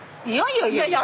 いやいやいや。